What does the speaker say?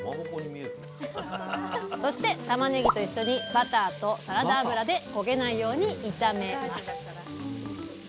そしてたまねぎと一緒にバターとサラダ油で焦げないように炒めます。